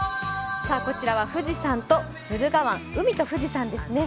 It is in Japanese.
こちらは富士山と駿河湾、海と富士山ですね。